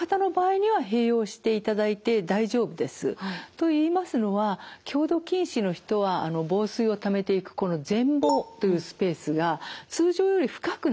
といいますのは強度近視の人は房水をためていくこの前房というスペースが通常より深くなっています。